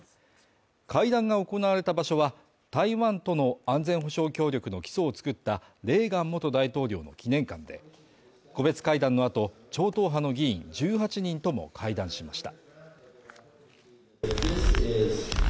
会談が行われた場所は、台湾との安全保障協力の基礎を作ったレーガン元大統領の記念館で、個別会談の後、超党派の議員１８人とも会談しました。